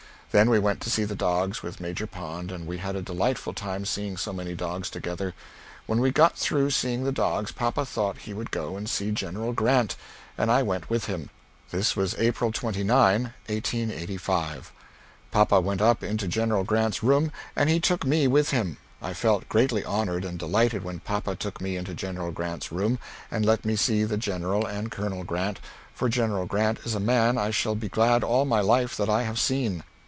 Then we went to see the dogs with Major Pond and we had a delightful time seeing so many dogs together; when we got through seeing the dogs papa thought he would go and see General Grant and I went with him this was April 29, 1885. Papa went up into General Grant's room and he took me with him, I felt greatly honored and delighted when papa took me into General Grant's room and let me see the General and Col. Grant, for General Grant is a man I shall be glad all my life that I have seen.